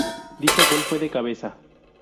Dicho gol fue de cabeza.